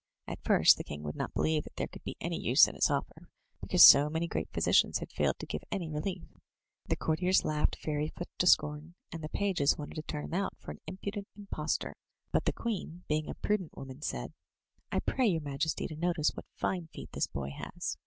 At first the king would not believe that there could be any use in his offer, because so many great physicians had failed to give any relief. The courtiers laughed Fairyfoot to scorn, and the pages wanted to turn him out for an impudent impostor, but the queen, being a prudent woman, said: "I pray your majesty to notice what fine feet this boy has.